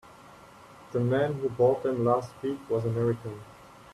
The man who bought them last week was American.